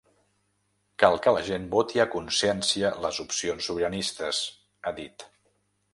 Cal que la gent voti a consciència les opcions sobiranistes, ha dit.